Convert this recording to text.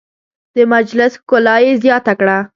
د مجلس ښکلا یې زیاته کړه.